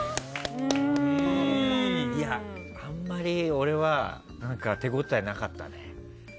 いや、あまり俺は手応えがなかったね。